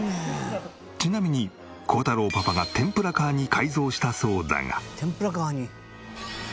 ちなみに耕太郎パパが天ぷらカーに改造したそうだが。